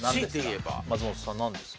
松本さん何ですか？